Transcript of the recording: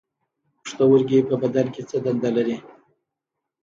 پښتورګي په بدن کې څه دنده لري